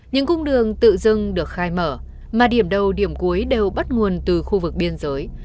những cung đường tự dưng được khai mở mà điểm đầu điểm cuối đều bắt nguồn từ khu vực biên giới